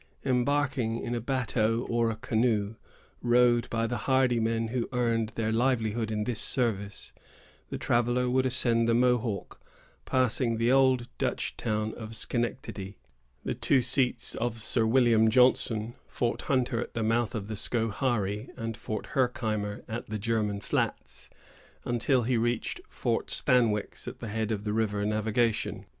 Embarking in a bateau or a canoe, rowed by the hardy men who earned their livelihood in this service, the traveller would ascend the Mohawk, passing the old Dutch town of Schenectady, the two seats of Sir William Johnson, Fort Hunter at the mouth of the Scoharie, and Fort Herkimer at the German Flats, until he reached Fort Stanwix at the head of the river navigation.